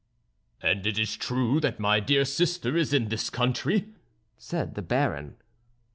"And it is true that my dear sister is in this country?" said the Baron.